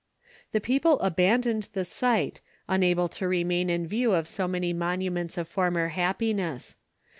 The people abandoned the site, unable to remain in view of so many monuments of former happiness.